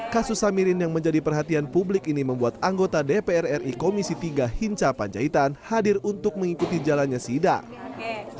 kasus samirin yang menjadi perhatian publik ini membuat anggota dpr ri komisi tiga hinca panjaitan hadir untuk mengikuti jalannya sidang